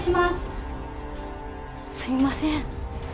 すいません！